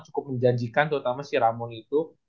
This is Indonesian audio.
cukup menjanjikan terutama si ramun itu